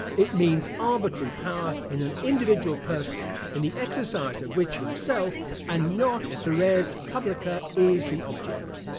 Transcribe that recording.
It means arbitrary power in an individual person; in the exercise of which, himself, and not the res publica, is the object.